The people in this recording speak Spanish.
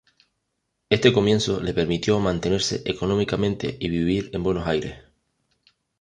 Este comienzo le permitió mantenerse económicamente y vivir en Buenos Aires.